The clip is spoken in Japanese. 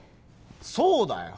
そうだよ。